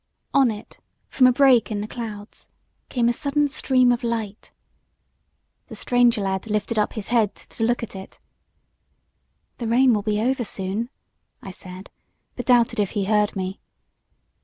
On it, from a break in the clouds, came a sudden stream of light. The stranger lad lifted up his head to look at it. "The rain will be over soon," I said, but doubted if he heard me.